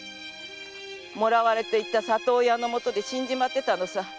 もらわれていった里親のもとで死んじまってたのさ。